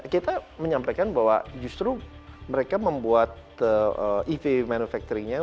kita menyampaikan bahwa justru mereka membuat ev manufacturing nya